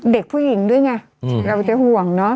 เด็กผู้หญิงด้วยไงเราจะห่วงเนอะ